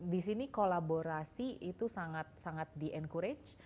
di sini kolaborasi itu sangat sangat di encourage